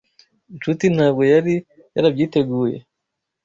Nshuti ntabwo yari yarabyiteguye.